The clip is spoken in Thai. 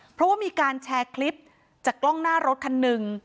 เพราะว่ามีการแชร์คลิปจากกล้องหน้ารถคันหนึ่ง